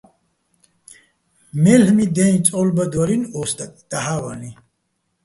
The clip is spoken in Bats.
მელ'მი დენი წო́ლბადვალიჼი̆ ო სტაკ, დაჰ̦ა ვალიჼ.